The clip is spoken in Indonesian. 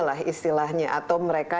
lah istilahnya atau mereka